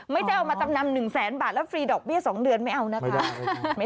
ไม่ได้เอามาจำนำหนึ่งแสนบาทแล้วฟรีดอกเบี้ยสองเดือนไม่เอานะคะไม่ได้ไม่ได้